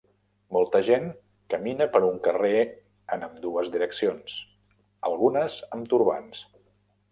Molta gent camina per un carrer en ambdues direccions, algunes amb turbants